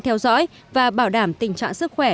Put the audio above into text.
theo dõi và bảo đảm tình trạng sức khỏe